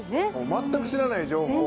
全く知らない情報をね。